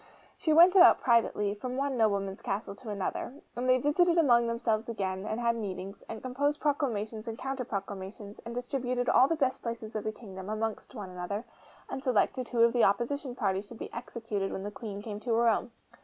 She went about privately, from one nobleman's castle to another; and they visited among themselves again, and had meetings, and composed proclamations and counter proclamations, and distributed all the best places of the kingdom amongst one another, and selected who of the opposition party should be executed when the Queen came to her own.